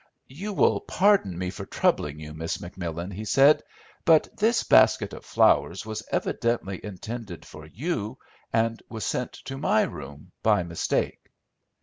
"You will pardon me for troubling you, Miss McMillan," he said, "but this basket of flowers was evidently intended for you, and was sent to my room by mistake."